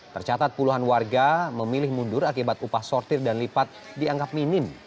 tercatat puluhan warga memilih mundur akibat upah sortir dan lipat dianggap minim